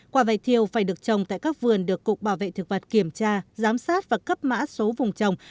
quả vải thiêu phải được trồng tại các vườn được cục bảo vệ thực vật kiểm tra giám sát và cấp mã số vùng trồng